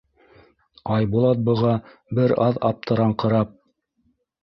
Айбулат быға бер аҙ аптыраңҡырап: